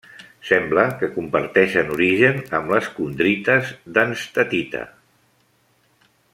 Sembla que comparteixen origen amb les condrites d'enstatita.